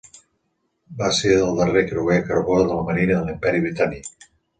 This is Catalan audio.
Va ser el darrer creuer a carbó de la marina de l'Imperi Britànic.